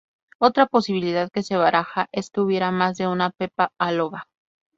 Otra posibilidad que se baraja es que hubiera más de una Pepa a Loba.